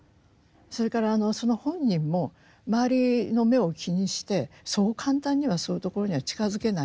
それからその本人も周りの目を気にしてそう簡単にはそういうところには近づけないです。